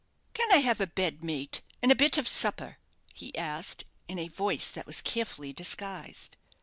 "Can I have a bed, mate, and a bit of supper?" he asked, in a voice that was carefully disguised.